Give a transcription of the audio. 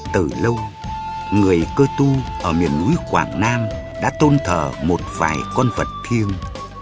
từ lâu người cơ tu ở miền núi quảng nam đã tôn thờ một vài con vật thiêng